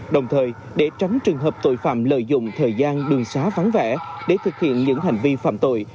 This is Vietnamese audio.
đồng thời để tránh trường hợp tội phạm lợi dụng thời gian đường xá vắng vẻ để thực hiện những hành vi phạm tội